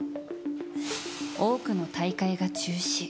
多くの大会が中止。